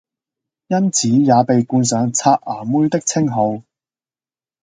因此也被冠上「牙刷妹」的稱號！